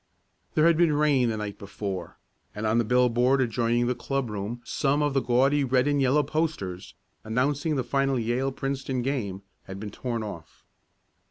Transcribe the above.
There had been rain the night before, and on a billboard adjoining the club room some of the gaudy red and yellow posters, announcing the final Yale Princeton game, had been torn off.